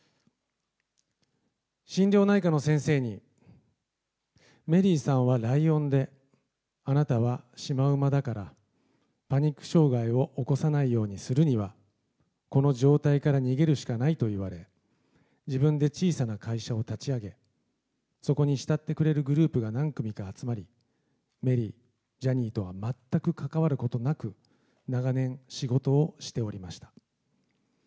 心療内科の先生にメリーさんはライオンで、あなたはシマウマだからパニック障害を起こさないようにするには、この状態から逃げるしかないと言われ、自分で小さな会社を立ち上げ、そこに慕ってくれるグループが何組か集まり、メリー、ジャニーとは全く関わることなく、長年、仕事をしておりました。